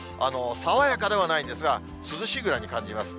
爽やかではないんですが、涼しいぐらいに感じます。